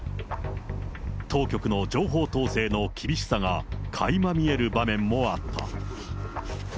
当局の情報統制の厳しさがかいま見える場面もあった。